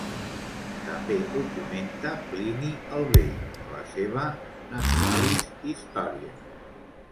També ho comenta Plini el Vell a la seva "Naturalis Historia".